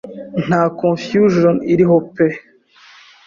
nta confusion iriho pe